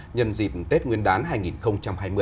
nhân dịp tết nguyên đán hai nghìn hai mươi